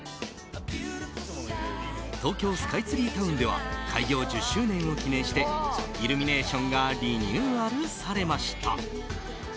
東京スカイツリータウンでは開業１０周年を記念してイルミネーションがリニューアルされました。